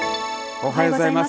おはようございます。